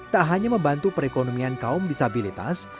tak hanya membantu perekonomian kaum disabilitas